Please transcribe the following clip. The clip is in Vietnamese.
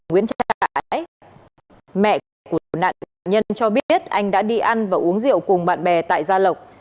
nguyễn ái mẹ của nạn nhân cho biết anh đã đi ăn và uống rượu cùng bạn bè tại gia lộc